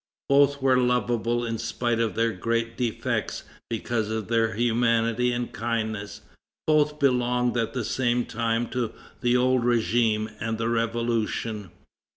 Both were lovable in spite of their great defects, because of their humanity and kindness. Both belonged at the same time to the old régime and the Revolution.